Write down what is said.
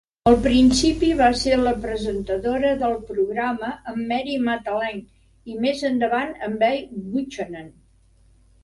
Al principi va ser la presentadora del programa amb Mary Matalin i, més endavant, amb Bay Buchanan.